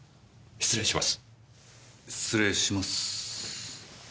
失礼します。